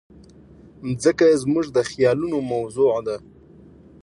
مځکه زموږ د خیالونو موضوع ده.